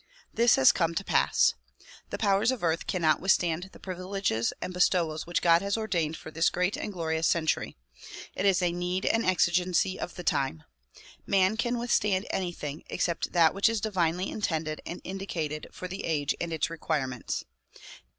This has come to pass. The powers of earth cannot withstand the privileges and bestowals which God has ordained for this great and glorious century. It is a need and exigency of the time. Man can withstand anything except that which is divinely intended and indicated for the age and its requirements.